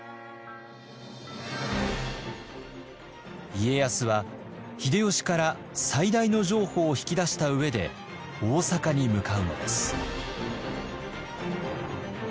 家康は秀吉から最大の譲歩を引き出した上で大坂に向かうのです。